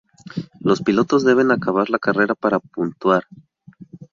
Los pilotos deben acabar la carrera para puntuar.